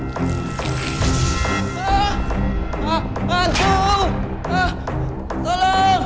tidak ada yang manggil